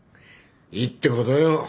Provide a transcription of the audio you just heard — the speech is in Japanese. いいってことよ。